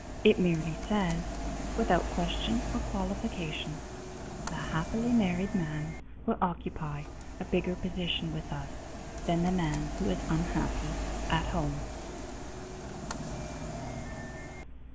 It merely says, without question or qualification, the happily married man will occupy a bigger position with us than the man who is unhappy at home.